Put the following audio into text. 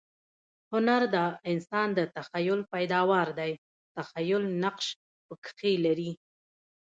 هنر د انسان د تخییل پیداوار دئ. تخییل نقش پکښي لري.